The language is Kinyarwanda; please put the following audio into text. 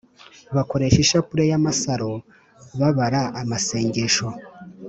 bakoresha ishapure y’amasaro babara amasengesho